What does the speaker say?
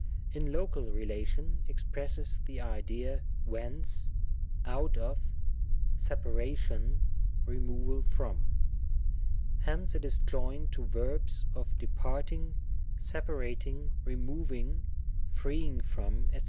In Local relation, expresses the idea whence^ out of^ separation^ removal from. Hence it is joined to verbs of departing, separating, removing, freeing from, <fec.